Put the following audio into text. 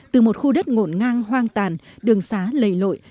từ một khu đất ngộn ngang hoang tàn đường xá lầy lội